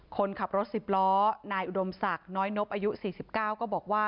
คนขับรถ๑๐ล้อนายอุดมศักดิ์น้อยนบอายุ๔๙ก็บอกว่า